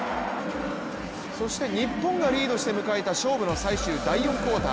そして日本がリードして迎えた勝負の最終第４クオーター。